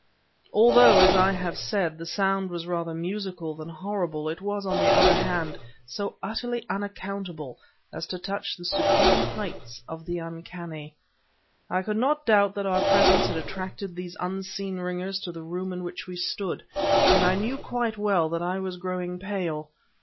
Although, as I have said, the sound was rather musical than horrible, it was, on the other hand, so utterly unaccountable as to touch the supreme heights of the uncanny. I could not doubt that our presence had attracted these unseen ringers to the room in which we stood, and I knew quite well that I was growing pale.